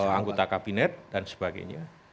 anggota kabinet dan sebagainya